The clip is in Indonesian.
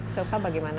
so kak bagaimana